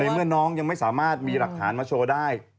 เมื่อน้องยังไม่สามารถมีหลักฐานมาโชว์ได้